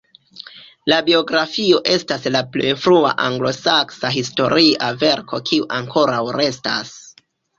La biografio estas la plej frua anglosaksa historia verko kiu ankoraŭ restas.